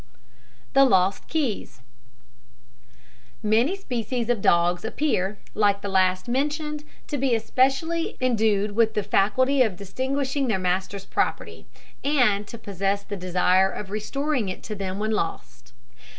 THE LOST KEYS. Many species of dogs appear, like the last mentioned, to be especially indued with the faculty of distinguishing their master's property, and to possess the desire of restoring it to them when lost.